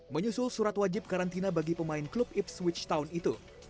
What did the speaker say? menyusul surat wajib karantina bagi pemain klub ipswitch town itu